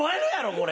これ。